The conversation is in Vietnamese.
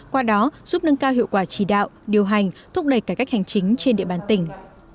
qua đó giúp nâng cao hiệu quả chỉ đạo điều hành thúc đẩy cải cách hành chính trên địa bàn tỉnh